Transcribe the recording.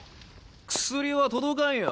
薬は届かんよ